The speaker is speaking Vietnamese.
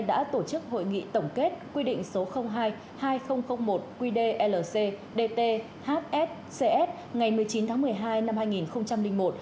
đã tổ chức hội nghị tổng kết quy định số hai hai nghìn một qdlc dt hscs ngày một mươi chín tháng một mươi hai năm hai nghìn một